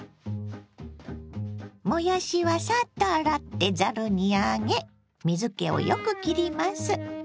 もやしはサッと洗ってざるに上げ水けをよくきります。